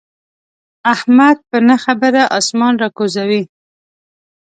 احمد په نه خبره اسمان را کوزوي.